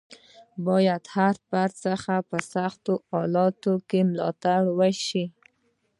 باید له فرد څخه په سخت حالت کې ملاتړ وشي.